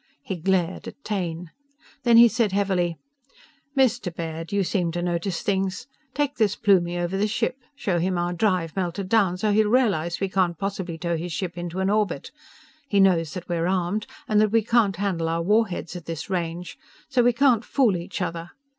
He glared at Taine. Then he said heavily: "Mr. Baird, you seem to notice things. Take this Plumie over the ship. Show him our drive melted down, so he'll realize we can't possibly tow his ship into an orbit. He knows that we're armed, and that we can't handle our war heads at this range! So we can't fool each other.